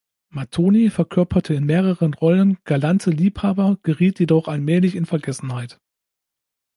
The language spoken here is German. Mattoni verkörperte in mehreren Rollen galante Liebhaber, geriet jedoch allmählich in Vergessenheit.